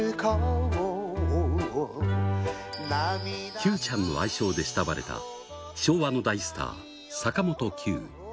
九ちゃんの愛称で慕われた昭和の大スター、坂本九。